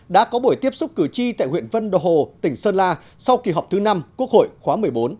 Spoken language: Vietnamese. đã có buổi tiếp xúc cử tri tại huyện vân hồ tỉnh sơn la sau kỳ họp thứ năm quốc hội khóa một mươi bốn